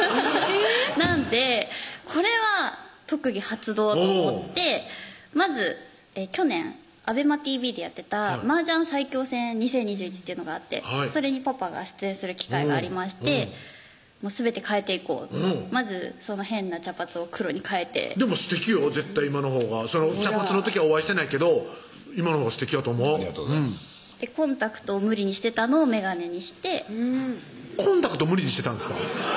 えぇなんでこれは特技発動と思ってまず去年ＡｂｅｍａＴＶでやってた麻雀最強戦２０２１というのがあってそれにパパが出演する機会がありましてすべて変えていこうまずその変な茶髪を黒に変えてでもすてきよ絶対今のほうが茶髪の時はお会いしてないけど今のほうがすてきやと思うありがとうございますコンタクトを無理にしてたのを眼鏡にしてコンタクト無理にしてたんですか？